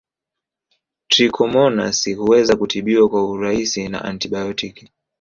Trichomonasi huweza kutibiwa kwa urahisi na antibaotiki